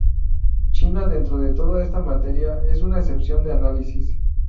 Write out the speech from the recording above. China dentro de toda esta materia es una excepción de análisis.